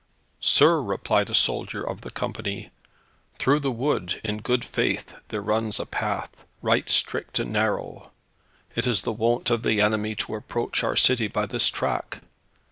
"Sir," replied a soldier of the company, "through the wood, in good faith, there runs a path, right strict and narrow. It is the wont of the enemy to approach our city by this track.